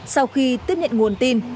sau khi tiếp nhận nguồn tin